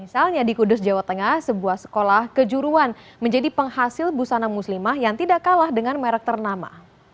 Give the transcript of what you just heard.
misalnya di kudus jawa tengah sebuah sekolah kejuruan menjadi penghasil busana muslimah yang tidak kalah dengan merek ternama